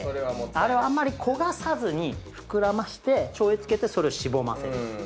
あれをあんまり焦がさずに膨らまして醤油付けてそれをしぼませる。